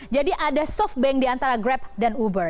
jadi ada softbank di antara grab dan uber